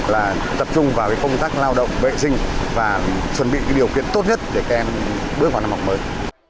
là tập trung vào công tác lao động vệ sinh và chuẩn bị điều kiện tốt nhất để các em bước vào năm học mới